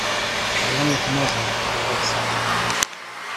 Ṛwan lexnazer taḍsa.